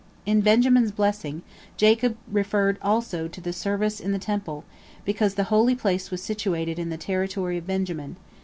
In Benjamin's blessing, Jacob referred also to the service in the Temple, because the Holy Place was situated in the territory of Benjamin.